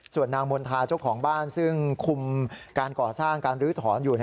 ส่วนนางมณฑาเจ้าของบ้านซึ่งคุมการก่อสร้างการลื้อถอนอยู่